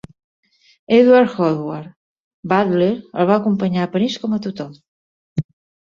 Edward Howard, Butler el va acompanyar a París com a tutor.